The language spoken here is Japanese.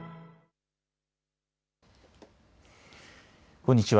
こんにちは。